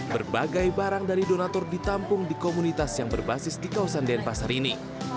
berbagai barang dari donator ditampung di komunitas yang berbasis di kawasan denpasar ini